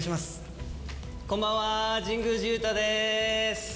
こんばんは、神宮寺勇太です。